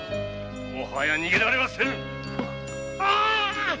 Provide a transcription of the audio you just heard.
もはや逃げられはせぬ！